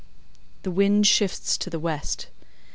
The wind shifts to the west.